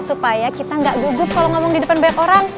supaya kita gak gugup kalau ngomong di depan banyak orang